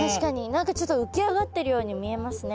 何かちょっと浮き上がってるように見えますね。